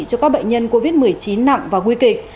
cho các bệnh nhân covid một mươi chín nặng và nguy kịch